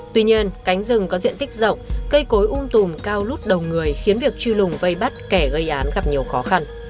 tuy nhiên cánh rừng có diện tích rộng cây cối um tùm cao lút đầu người khiến việc truy lùng vây bắt kẻ gây án gặp nhiều khó khăn